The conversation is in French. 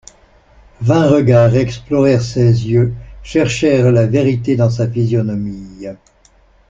Vingt regards explorèrent ses yeux, cherchèrent la vérité dans sa physionomie.